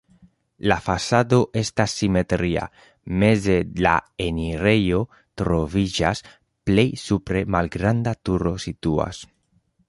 La fasado estas simetria, meze la enirejo troviĝas, plej supre malgranda turo situas.